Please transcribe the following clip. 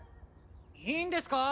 いいんですか？